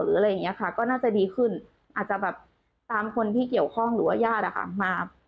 อะไรอย่างนี้ค่ะก็น่าจะดีขึ้นอาจจะแบบตามคนที่เกี่ยวข้องหรือว่าญาติมา